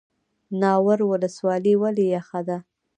ناور ولسوالۍ ولې یخه ده؟